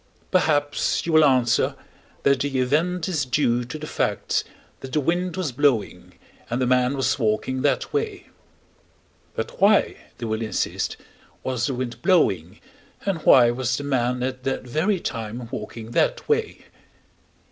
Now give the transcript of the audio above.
Perhaps you will answer that the event is due to the facts that the wind was blowing, and the man was walking that way. "But why," they will insist, "was the wind blowing, and why was the man at that very time walking that way?"